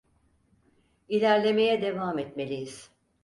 İlerlemeye devam etmeliyiz.